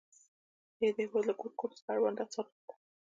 بیا یې د هېواد له ګوټ ګوټ څخه اړوند اثار راوړل.